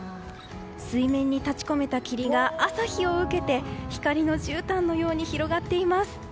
水面に立ち込めた霧が朝日を受けて光のじゅうたんのように広がっています。